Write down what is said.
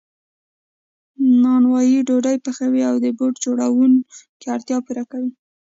نانوای ډوډۍ پخوي او د بوټ جوړونکي اړتیا پوره کوي